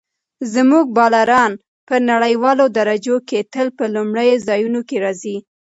زموږ بالران په نړیوالو درجو کې تل په لومړیو ځایونو کې راځي.